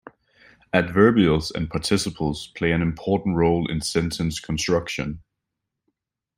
Adverbials and participles play an important role in sentence construction.